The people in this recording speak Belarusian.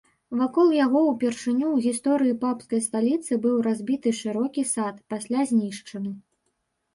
Вакол яго ўпершыню ў гісторыі папскай сталіцы быў разбіты шырокі сад, пасля знішчаны.